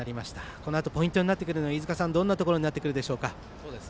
このあとポイントになってくるのは飯塚さん、どんなところになってくるでしょうか？